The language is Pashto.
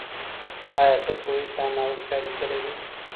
آیا ته پوهېږې چي دا ناول چا لیکلی دی؟